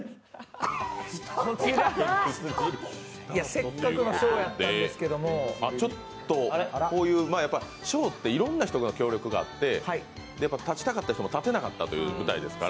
せっかくの賞やったんですけどもちょっとこういう賞っていろんな人の協力があって立ちたかった人も立てなかったという舞台ですから